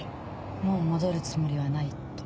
「もう戻るつもりはない」と。